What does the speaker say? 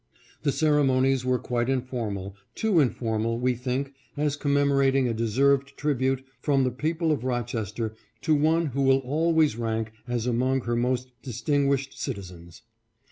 The ceremonies were quite informal, too informal, we think, as commemo rating a deserved tribute from the people of Rochester to one who will always rank as among her most distinguished citizens.